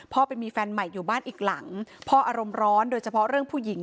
ไปมีแฟนใหม่อยู่บ้านอีกหลังพ่ออารมณ์ร้อนโดยเฉพาะเรื่องผู้หญิง